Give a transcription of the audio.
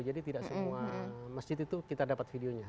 jadi tidak semua masjid itu kita dapat videonya